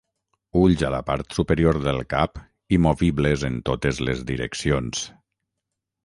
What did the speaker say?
Ulls a la part superior del cap i movibles en totes les direccions.